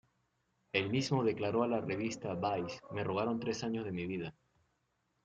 Él mismo declaró a la revista Vice: ""Me robaron tres años de mi vida.